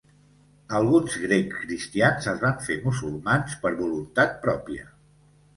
Alguns grecs cristians es van fer musulmans per voluntat pròpia.